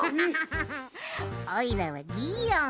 おいらはギーオン。